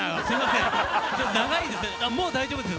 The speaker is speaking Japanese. もう大丈夫です